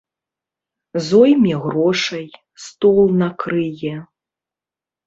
Зойме грошай, стол накрые.